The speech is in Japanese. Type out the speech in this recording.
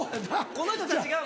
この人たちが。